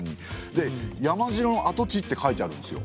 で「山城の跡地」って書いてあるんですよ。